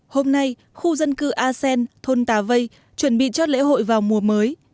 hôm nay khu dân cư a sen thôn tà vây chuẩn bị cho lễ hội vào mùa mới